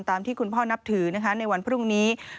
ตามที่คุณพ่อนับถือในวันพรุ่งนี้